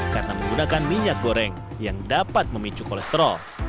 karena menggunakan minyak goreng yang dapat memicu kolesterol